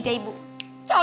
taro di meja ibu